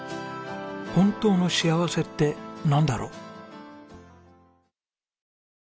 本当の幸せってなんだろう？